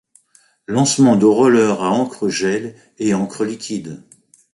Lancement de rollers à encre gel et encre liquide.